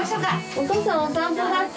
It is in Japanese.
お父さんお散歩だって。